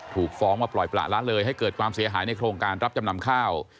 ถูกฟ้องว่าปล่อยประละเลยให้เกิดความเสียหายในโครงการรับจำนำข้าว